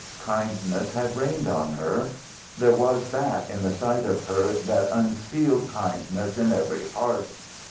Kindness had rained on her; there was that in the sight of her that unsealed kindness in every heart.